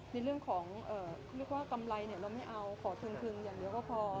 ในเรื่องของเรียกว่ากำไรเราไม่เอาขอพึงอย่างเดียวก็พอ